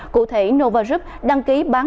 cụ thể novarub đăng ký bán